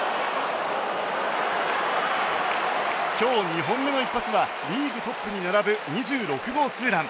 今日２本目の一発はリーグトップに並ぶ２６号ツーラン。